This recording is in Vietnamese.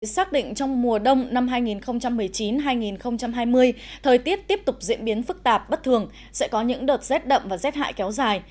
xác định trong mùa đông năm hai nghìn một mươi chín hai nghìn hai mươi thời tiết tiếp tục diễn biến phức tạp bất thường sẽ có những đợt rét đậm và rét hại kéo dài